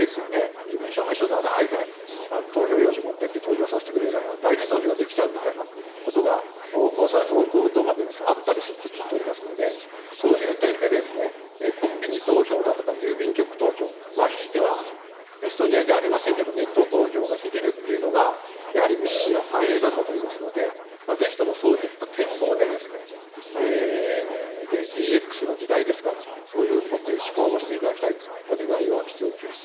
身分証明書出さないで投票用紙持ってって、投票させてくれるから、代理投票できちゃうみたいなことが横行、横行とまでは言いませんけれども、あったりすると聞いておりますので、そういう点でですね、コンビニ投票だとか郵便局投票、ひいてはエストニアじゃありませんけど、ネット投票ができるというのが、やはり民意の反映だと思いますので、ぜひともそういった展望で、ＤＸの時代ですから、そういうしこうもしていただきたいと、お願いをしておきます。